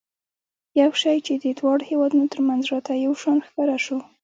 یو شی چې د دواړو هېوادونو ترمنځ راته یو شان ښکاره شو.